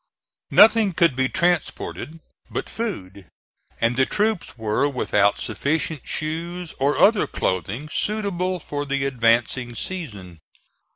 Nothing could be transported but food, and the troops were without sufficient shoes or other clothing suitable for the advancing season.